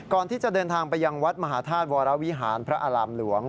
ก่อนที่จะเดินทางไปยังวัดมหาธาตุวรวิหารพระอารามหลวง